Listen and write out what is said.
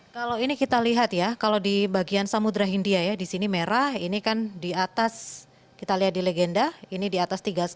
kalau ini kita lihat ya kalau di bagian samudera india ya di sini merah ini kan di atas kita lihat di legenda ini di atas tiga puluh sembilan